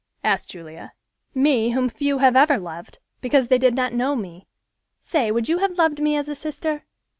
asked Julia, "me whom few have ever loved, because they did not know me; say, would you have loved me as a sister?"